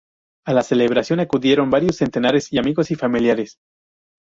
A la celebración acudieron varios centenares de amigos y familiares.